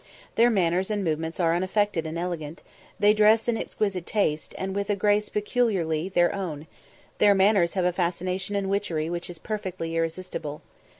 Their manners and movements are unaffected and elegant; they dress in exquisite taste; and with a grace peculiarly their own, their manners have a fascination and witchery which is perfectly irresistible.